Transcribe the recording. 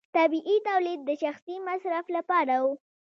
طبیعي تولید د شخصي مصرف لپاره و.